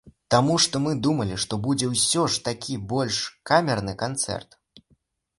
Таму што мы думалі, што будзе ўсё ж такі больш камерны канцэрт.